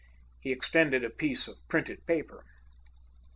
He extended a piece of printed paper.